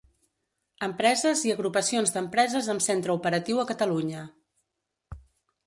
Empreses i agrupacions d'empreses amb centre operatiu a Catalunya.